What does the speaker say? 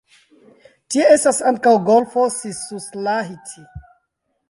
Tie estas ankaŭ golfo Sisuslahti.